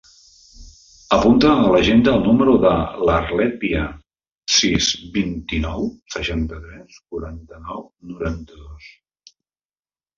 Apunta a l'agenda el número de l'Arlet Via: sis, vint-i-nou, seixanta-tres, quaranta-nou, noranta-dos.